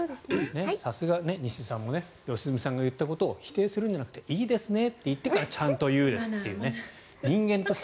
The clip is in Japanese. さすが西出さんも良純さんが言ったことを否定するのではなくていいですねって言ってからちゃんと言うじゃないですか。